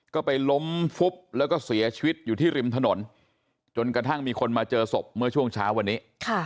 ก็ไปล้มฟุบแล้วก็เสียชีวิตอยู่ที่ริมถนนจนกระทั่งมีคนมาเจอศพเมื่อช่วงเช้าวันนี้